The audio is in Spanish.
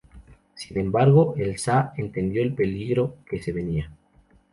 Sin embargo, el sah entendió el peligro que se venía.